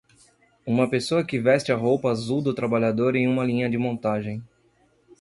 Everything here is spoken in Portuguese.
Uma pessoa que veste a roupa azul do trabalhador em uma linha de montagem.